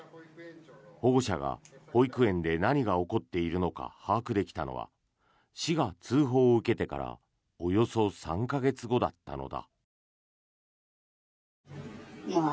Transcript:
保護者が保育園で何が起こっているのか把握できたのは市が通報を受けてからおよそ３か月後だったのだ。